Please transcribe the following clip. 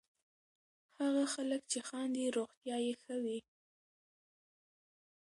هغه خلک چې خاندي، روغتیا یې ښه وي.